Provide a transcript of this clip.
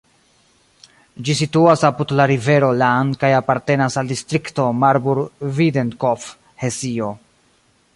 Ĝi situas apud la rivero Lahn kaj apartenas al distrikto Marburg-Biedenkopf, Hesio.